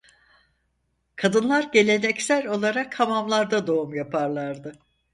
Kadınlar geleneksel olarak hamamlarda doğum yaparlardı.